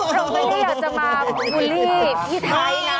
เราไม่ได้อยากจะมาบูลลี่พี่ไทยนะ